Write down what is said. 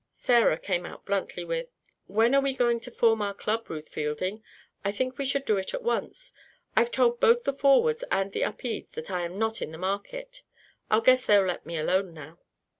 Sarah came out bluntly with: "When are we going to form our club, Ruth Fielding? I think we should do it at once. I've told both the Forwards and the Upedes that I am not in the market. I guess they'll let me alone now."